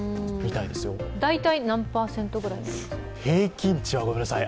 大体何％ぐらいなんですか。